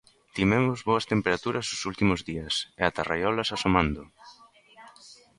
Tivemos boas temperaturas os últimos días, e ata raiolas asomando.